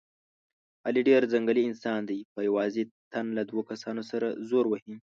علي ډېر ځنګلي انسان دی، په یوازې تن له دور کسانو سره زور وهي.